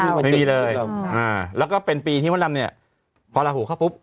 เป็นปีเลยอ่าแล้วก็เป็นปีที่มดดำเนี่ยพอลาหูเข้าปุ๊บ